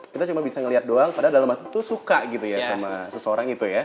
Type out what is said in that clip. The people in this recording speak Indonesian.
kita cuma bisa ngeliat doang padahal dalam hati tuh suka gitu ya sama seseorang itu ya